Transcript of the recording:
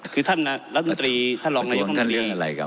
คือท่านรัฐมนตรีท่านรองนัยรัฐมนตรี